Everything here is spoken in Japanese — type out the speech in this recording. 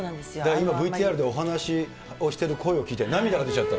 今、ＶＴＲでお話をしている声を聞いて、涙が出ちゃった？